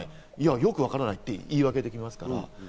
よくわからないって言い訳できますから。